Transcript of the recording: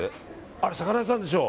あれ、魚屋さんでしょ。